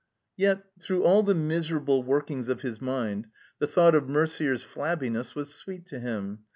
Yet, through all the miserable workings of his mind the thought of Merder's flabbiness was sweet to him.